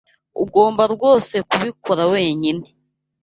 Ugomba rwose kubikora wenyine.